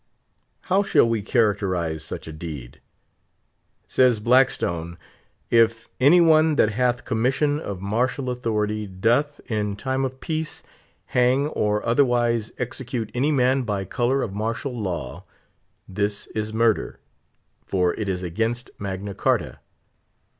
How shall we characterise such a deed? Says Blackstone, "If any one that hath commission of martial authority doth, in time of peace, hang, or otherwise execute any man by colour of martial law, this is murder; for it is against Magna Charta."